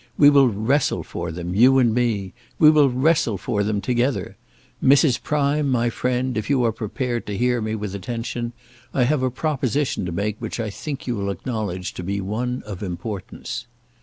We will wrestle for them, you and me. We will wrestle for them, together. Mrs. Prime, my friend, if you are prepared to hear me with attention, I have a proposition to make which I think you will acknowledge to be one of importance."